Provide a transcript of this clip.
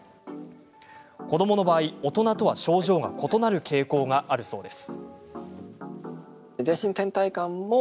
子どもの場合大人とは症状が異なる傾向があるそうです。